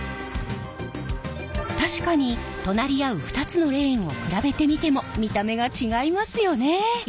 確かに隣り合う２つのレーンを比べてみても見た目が違いますよね。